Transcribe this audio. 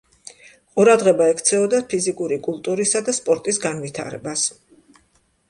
ყურადღება ექცეოდა ფიზიკური კულტურისა და სპორტის განვითარებას.